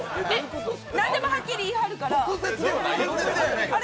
何でもはっきり言いはるから。